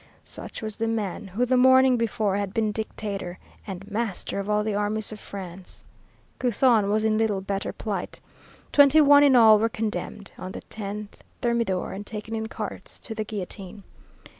Such was the man who the morning before had been Dictator, and master of all the armies of France. Couthon was in little better plight. Twenty one in all were condemned on the 10 Thermidor and taken in carts to the guillotine.